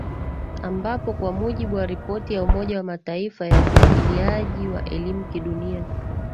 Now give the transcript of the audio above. ambapo kwa mujibu wa ripoti ya Umoja wa Mataifa ya ufuatiliaji wa elimu kidunia